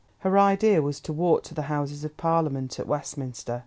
Her idea was to walk to the Houses of Parliament at Westminster.